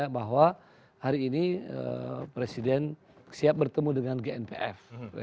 bahwa hari ini presiden siap bertemu dengan gnpf